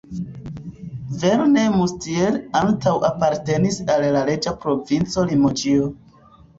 Verneuil-Moustiers antaŭe apartenis al la reĝa provinco Limoĝio.